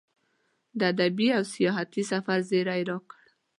د ادبي او سیاحتي سفر زیری یې راکړ.